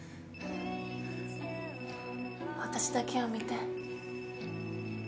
私だけを見て。